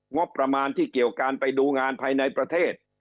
งบประมาณที่เกี่ยวการไปดูงานภายในประเทศ